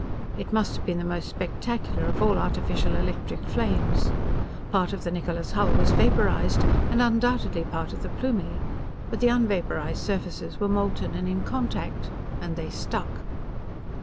It must have been the most spectacular of all artificial electric flames. Part of the Niccola's hull was vaporized, and undoubtedly part of the Plumie. But the unvaporized surfaces were molten and in contact and they stuck.